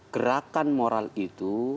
gerakan moral itu